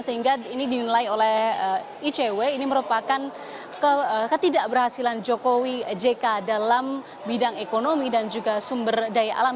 sehingga ini dinilai oleh icw ini merupakan ketidakberhasilan jokowi jk dalam bidang ekonomi dan juga sumber daya alam